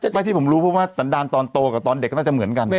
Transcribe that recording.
ไม่ที่ผมรู้เพราะว่าสันดาลตอนโตกับตอนเด็กก็น่าจะเหมือนกัน